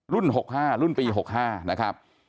๖๕รุ่นปี๖๕นะครับ